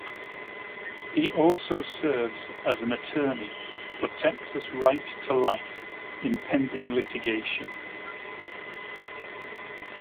He also serves as an attorney for Texas Right to Life in pending litigation.